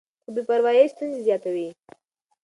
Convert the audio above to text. خو بې پروايي ستونزې زیاتوي.